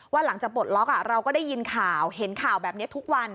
หลังจากปลดล็อกเราก็ได้ยินข่าวเห็นข่าวแบบนี้ทุกวัน